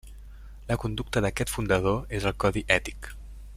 La conducta d'aquest fundador és el codi ètic.